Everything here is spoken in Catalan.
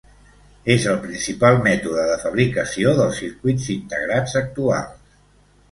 És el principal mètode de fabricació dels circuits integrats actuals.